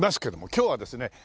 今日はですね